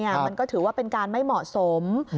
มันก็ถือว่าเป็นการไม่เหมาะสม